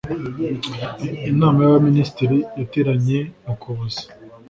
inama y’abaminisitiri yateranye mu kuboza